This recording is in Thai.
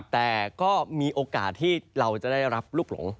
แต่ก็มีโอกาสที่เราจะได้รับลูกหลง